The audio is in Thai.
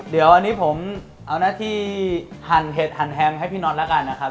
เดี๋ยวอันนี้ผมเอาหน้าที่หั่นเห็ดหั่นแฮมให้พี่น็อตแล้วกันนะครับ